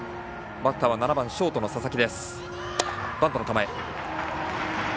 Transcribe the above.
バッターは７番、ショートの佐々木。